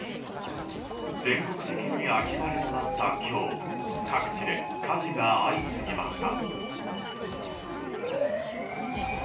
全国的に秋晴れとなった今日各地で火事が相次ぎました。